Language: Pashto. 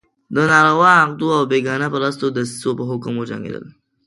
د ناروا عقدو او بېګانه پرستو دسیسو په حکم وجنګېدل.